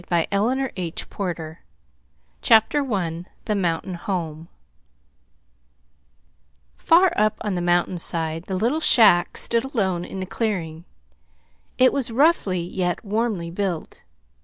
THE BEAUTIFUL WORLD CHAPTER I THE MOUNTAIN HOME Far up on the mountain side the little shack stood alone in the clearing. It was roughly yet warmly built.